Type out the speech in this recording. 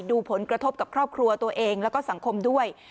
ดูผลกระทบกับครอบครัวตัวเองแล้วก็สังคมด้วย